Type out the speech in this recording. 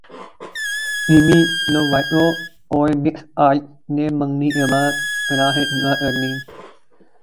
demi Lovato اور Max Ehrich نے منگنی کے ماہ بعد راہیں جدا کرلیں